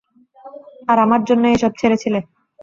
আর আমার জন্যই এসব ছেড়েছিলে।